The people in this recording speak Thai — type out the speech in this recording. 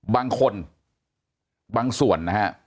บางคนบางส่วนนะครับ